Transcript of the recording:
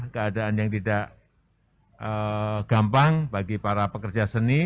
keadaan yang tidak gampang bagi para pekerja seni